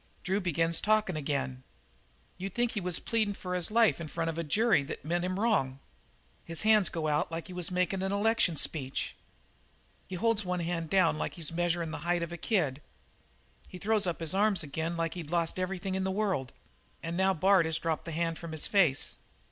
Drew begins talkin' again. You'd think he was pleadin' for his life in front of a jury that meant him wrong. His hands go out like he was makin' an election speech. He holds one hand down like he was measurin' the height of a kid. He throws up his arms again like he'd lost everything in the world. "And now Bard has dropped the hand from his face.